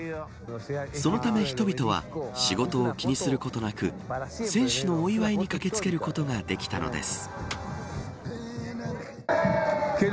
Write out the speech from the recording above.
そのため人々は仕事を気にすることなく選手のお祝いに駆けつけることができたのです。